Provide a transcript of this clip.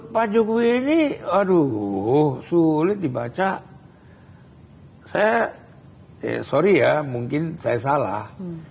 pak jokowi ini aduh sulit dibaca saya sorry ya mungkin saya salah